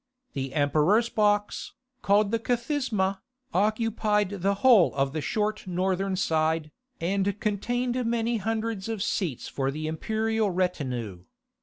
The emperor's box, called the Kathisma, occupied the whole of the short northern side, and contained many hundreds of seats for the imperial retinue.